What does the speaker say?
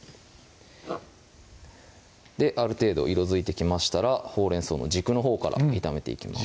ある程度色づいてきましたらほうれん草の軸のほうから炒めていきます